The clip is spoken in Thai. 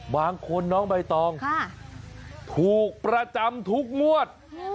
บางคนน้องใบตองถูกประจำทุกงวด